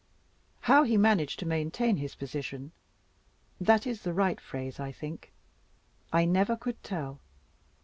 How he managed to "maintain his position" (that is the right phrase, I think), I never could tell.